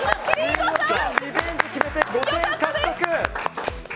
リベンジ決めて５点獲得！